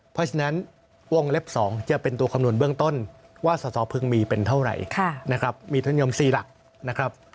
เพราะฉะนั้นวงเล็บ๒จะเป็นตัวคำนวณเบื้องต้นว่าสสพึงมีเป็นเท่าไหร่นะครับมีท่านยม๔หลักนะครับ